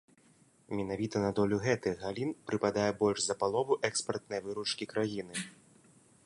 Менавіта на долю гэтых галін прыпадае больш за палову экспартнай выручкі краіны.